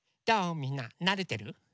みんななれてる？